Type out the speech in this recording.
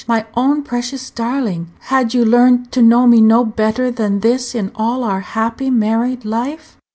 My own precious darling! had you learned to know me no better than this in all our happy married life?"